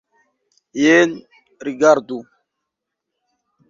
Jen, rigardu!